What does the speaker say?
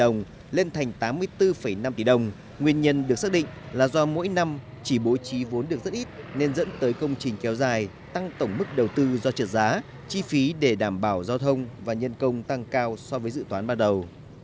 nên dẫn tới công trình kéo dài tăng tổng mức đầu tư do trượt giá chi phí để đảm bảo giao thông và nhân công tăng cao so với dự toán bắt đầu